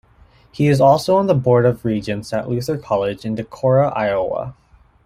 He is also on the Board of Regents at Luther College in Decorah, Iowa.